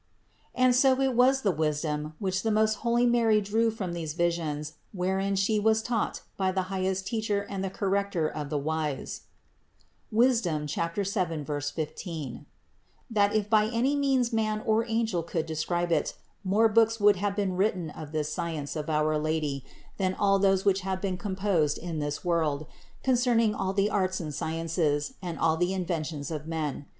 And so great was the wisdom, which the most holy Mary drew from these visions, wherein She was taught by the highest Teacher and the Corrector of the wise (Wis. 7, 15), that, if by any means man or angel could describe it, more books would have to be written of this science of our Lady than all those which have been composed in this world concerning all the arts and sciences, and all the inventions of men.